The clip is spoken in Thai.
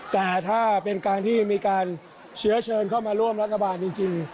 แต่ถ้าเป็นการที่มีการเชื้อเชิญเข้ามาร่วมรัฐบาลจริง